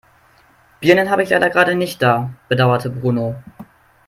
"Birnen habe ich leider gerade nicht da", bedauerte Bruno.